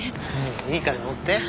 いいから乗って。